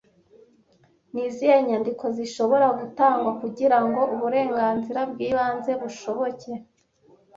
Ni izihe nyandiko zishobora gutangwa kugira ngo uburenganzira bw'ibanze bushoboke